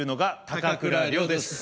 高倉陵です。